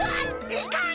いかん！